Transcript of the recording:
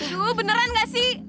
duh beneran gak sih